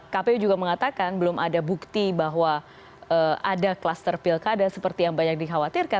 kpu juga mengatakan belum ada bukti bahwa ada kluster pilkada seperti yang banyak dikhawatirkan